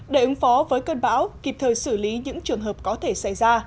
để ứng phó với cơn bão kịp thời xử lý những trường hợp có thể xảy ra